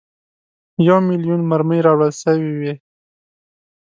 یو میلیون مرمۍ راوړل سوي وې.